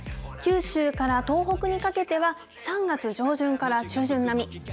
九州から東北にかけては、３月上旬から中旬並み。